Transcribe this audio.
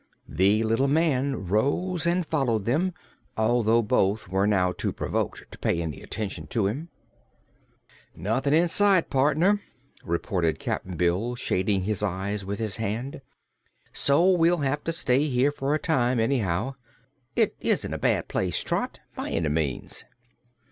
The little man rose and followed them, although both were now too provoked to pay any attention to him. "Nothin' in sight, partner," reported Cap'n Bill, shading his eyes with his hand; "so we'll have to stay here for a time, anyhow. It isn't a bad place, Trot, by any means."